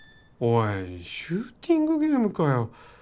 おいシューティングゲームかよ。